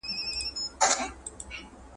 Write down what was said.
د تخنيک کچه د پخوا په پرتله لوړه ده.